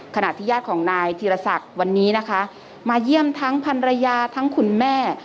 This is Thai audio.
ขณะที่ญาติของนายธีรศักดิ์วันนี้นะคะมาเยี่ยมทั้งพันรยาทั้งคุณแม่